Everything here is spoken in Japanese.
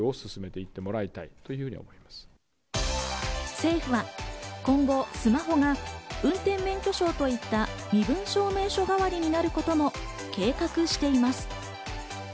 政府は今後、スマホが運転免許証といった身分証明書代わりになることも計画しています。